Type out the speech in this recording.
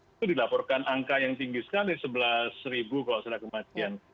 itu dilaporkan angka yang tinggi sekali sebelas ribu kalau sudah kematian